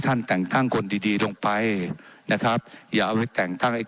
ท่านแต่งทั้งคนดีลงไปนะครับอย่าเอาไปแต่งท่างยคน